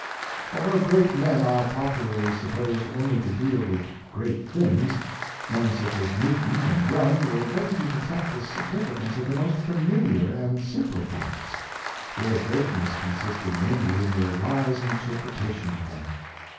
Although great men are popular ly supposed only to deal with great things, men such as Newton and Young were ready to detect the signifi cance of the most familiar and simple facts ; their great ness consisting mainly in their wise interpretation of them.